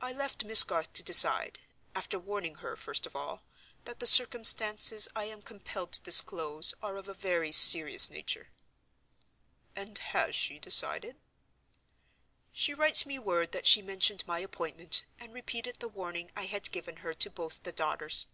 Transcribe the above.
"I left Miss Garth to decide—after warning her, first of all, that the circumstances I am compelled to disclose are of a very serious nature." "And has she decided?" "She writes me word that she mentioned my appointment, and repeated the warning I had given her to both the daughters.